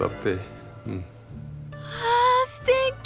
はあすてき！